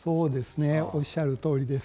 おっしゃるとおりです。